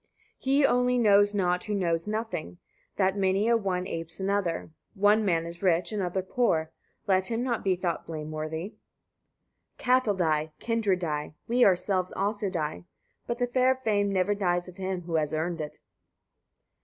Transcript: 75. He [only] knows not who knows nothing, that many a one apes another. One man is rich, another poor: let him not be thought blameworthy. 76. Cattle die, kindred die, we ourselves also die; but the fair fame never dies of him who has earned it.